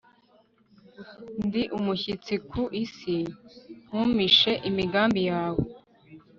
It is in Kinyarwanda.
ndi umushyitsi ku isi, ntumpishe imigambi yawe